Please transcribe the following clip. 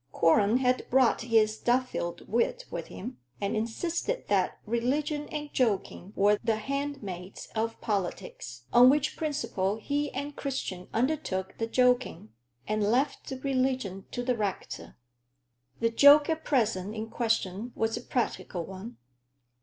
Quorlen had brought his Duffield wit with him, and insisted that religion and joking were the handmaids of politics; on which principle he and Christian undertook the joking, and left the religion to the rector. The joke at present in question was a practical one.